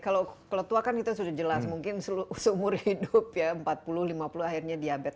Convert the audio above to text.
kalau tua kan kita sudah jelas mungkin seumur hidup ya empat puluh lima puluh akhirnya diabetes